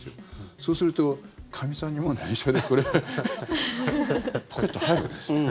そうすると、かみさんにも内緒でポケット入るわけです。